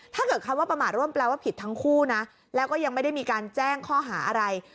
ถ้าเกิดคำว่าประมาทร่วมแปลว่าผิดทั้งคู่นะแล้วก็ยังไม่ได้มีการแจ้งข้อหาอะไร